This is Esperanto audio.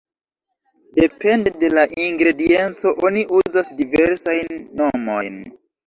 Depende de la ingredienco oni uzas diversajn nomojn.